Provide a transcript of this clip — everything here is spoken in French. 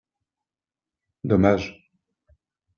Dommage